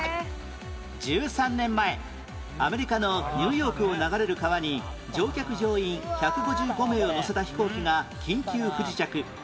１３年前アメリカのニューヨークを流れる川に乗客乗員１５５名を乗せた飛行機が緊急不時着